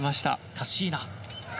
カッシーナ。